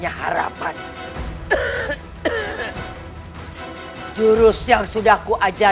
aku harus ketawa